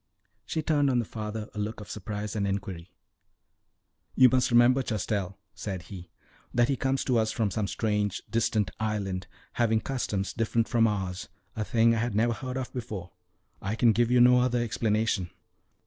She turned on the father a look of surprise and inquiry. "You must remember, Chastel," said he, "that he comes to us from some strange, distant island, having customs different from ours a thing I had never heard of before. I can give you no other explanation."